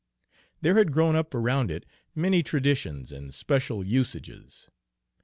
There had grown up around it many traditions and special usages.